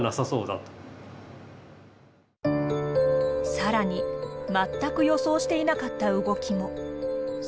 更に全く予想していなかった動きも。